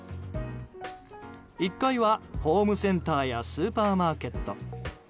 １階はホームセンターやスーパーマーケット。